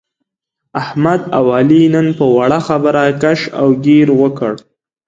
احمد او علي نن په وړه خبره کش او ګیر وکړ.